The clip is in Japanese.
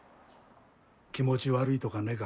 気持ち悪いとかねか？